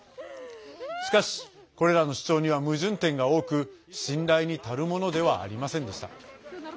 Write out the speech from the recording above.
しかし、これらの主張には矛盾点が多く信頼に足るものではありませんでした。